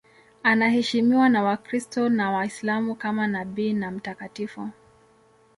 Anaheshimiwa na Wakristo na Waislamu kama nabii na mtakatifu.